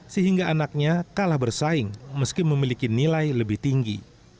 sehingga anaknya kalah bersaing meski memiliki nilai lebih tinggi